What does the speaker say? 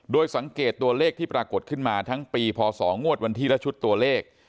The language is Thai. โดยสังเกตตัวเลขที่ปรากฏขึ้นมาทั้งปีพศงวดวันที่และชุดตัวเลข